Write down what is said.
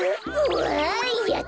わいやった。